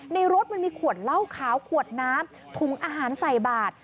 ในรถมันมีขวดเหล้าขาวขวดน้ำถุงอาหารใส่บาท